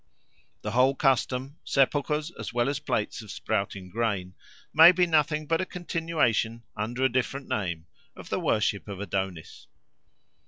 The whole custom sepulchres as well as plates of sprouting grain may be nothing but a continuation, under a different name, of the worship of Adonis.